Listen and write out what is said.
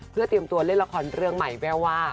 เพื่อเตรียมตัวเล่นละครเรื่องใหม่แววว่า